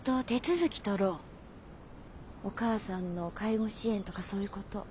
お母さんの介護支援とかそういうこと。